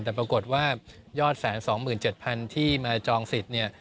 แต่ปรากฏว่ายอดแสน๒๗๐๐๐ที่มาจองสิทธิ์